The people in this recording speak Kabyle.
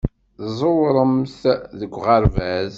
Tẓewremt deg uɣerbaz.